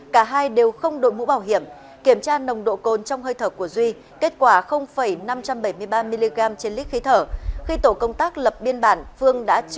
cả hai đều không đội mũ bảo hiểm kiểm tra nồng độ cồn trong hơi thở của duy kết quả năm trăm bảy mươi ba mg trên lít khí thở